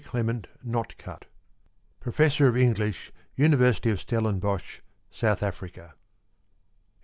CLEMENT NOTCUTT PROFESSOR OF ENGLISH vvft^ IN THE UNIVERSITY OF STELLENBOSCH SOUTH AFRICA PR